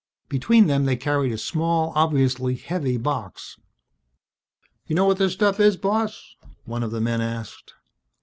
Between them they carried a small, obviously heavy box. "You know what this stuff is, boss?" one of the men asked.